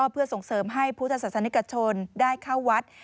เพื่อส่งเสริมให้พุทธศาสนิกชนได้เข้าวัด